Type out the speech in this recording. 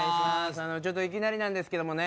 ちょっといきなりなんですけどもね